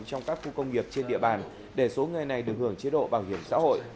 trong các khu công nghiệp trên địa bàn để số người này được hưởng chế độ bảo hiểm xã hội